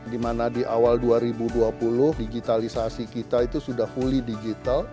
dimana di awal dua ribu dua puluh digitalisasi kita itu sudah fully digital